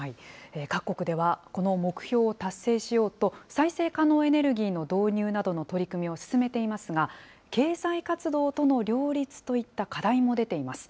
各国では、この目標を達成しようと、再生可能エネルギーの導入などの取り組みを進めていますが、経済活動との両立といった課題も出ています。